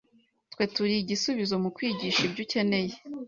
twe turi igisubizo mu kwigisha. ibyo ukeneye.